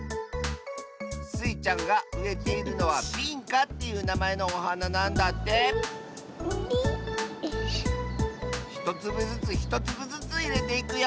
スイちゃんがうえているのは「ビンカ」っていうなまえのおはななんだってひとつぶずつひとつぶずついれていくよ。